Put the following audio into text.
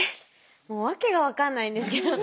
もう訳が分かんないんですけど。